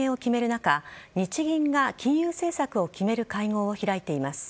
中日銀が金融政策を決める会合を開いています。